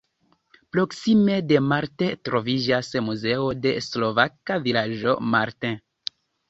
Proksime de Martin troviĝas Muzeo de slovaka vilaĝo Martin.